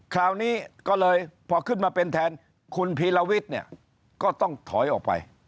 คราวนี้ก็เลยพอขึ้นมาเป็นแทนคุณพีรวิทย์เนี่ยก็ต้องถอยออกไป